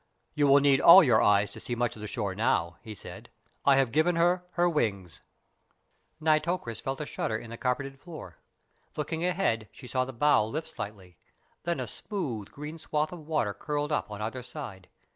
"You will need all your eyes to see much of the shore now," he said; "I have given her her wings." Nitocris felt a shudder in the carpeted floor. Looking ahead she saw the bow lift slightly. Then a smooth, green swathe of water curled up on either side.